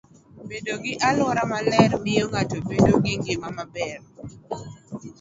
Bedo gi alwora maler miyo ng'ato bedo gi ngima maber.